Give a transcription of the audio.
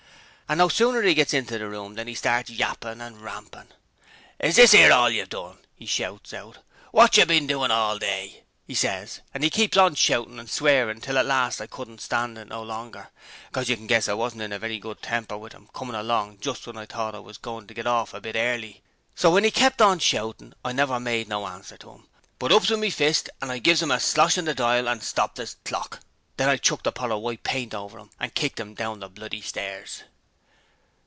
An' no sooner 'e gits inter the room than 'e starts yappin' an' rampin'." "Is this 'ere hall you've done?" 'e shouts out. "Wotcher bin up to hall day?" 'e ses, an' 'e keeps on shouting' an' swearin' till at last I couldn't stand it no longer, 'cos you can guess I wasn't in a very good temper with 'im comin' along jist then w'en I thought I was goin' to get orf a bit early so w'en 'e kept on shoutin' I never made no answer to 'im, but ups with me fist an' I gives 'im a slosh in the dial an' stopped 'is clock! Then I chucked the pot o' w'ite paint hover 'im, an' kicked 'im down the bloody stairs.'